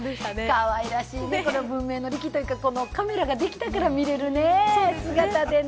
かわいらしいね、文明の利器というか、カメラができたから見れるね、姿でね。